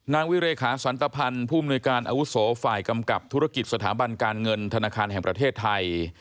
นางวิเรขาสันตภัณฑ์ผู้มนุยการอาวุโสฝ่ายกำกับธุรกิจสถาบันการเงินธนาคารแห่งประเทศไทย